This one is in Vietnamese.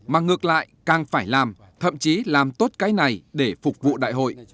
mà ngược lại càng phải làm thậm chí làm tốt cái này để phục vụ đại hội